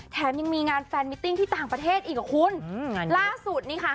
แถมยังมีงานแฟนมิตติ้งที่ต่างประเทศอีกอ่ะคุณอืมล่าสุดนี่ค่ะ